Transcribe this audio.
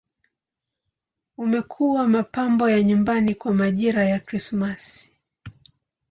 Umekuwa mapambo ya nyumbani kwa majira ya Krismasi.